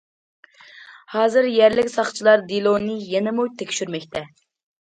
ھازىر يەرلىك ساقچىلار دېلونى يەنىمۇ تەكشۈرمەكتە.